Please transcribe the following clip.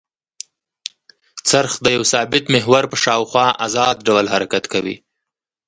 څرخ د یوه ثابت محور په شاوخوا ازاد ډول حرکت کوي.